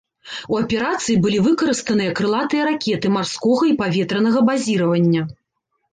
У аперацыі былі выкарыстаныя крылатыя ракеты марскога і паветранага базіравання.